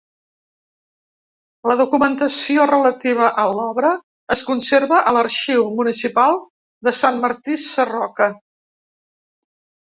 La documentació relativa a l'obra es conserva a l'arxiu municipal de Sant Martí Sarroca.